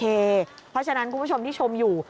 เพราะฉะนั้นคุณผู้ชมที่ชมอยู่